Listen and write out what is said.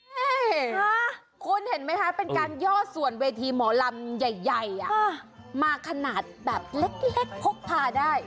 นี่คุณเห็นไหมคะเป็นการย่อส่วนเวทีหมอลำใหญ่มาขนาดแบบเล็กพกพาได้